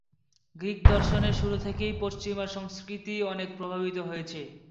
Greek দর্শনের শুরু থেকেই পশ্চিমা সংস্কৃতি অনেক প্রভাবিত হয়েছে।